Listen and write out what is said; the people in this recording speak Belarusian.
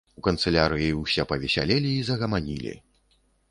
У канцылярыі ўсе павесялелі і загаманілі.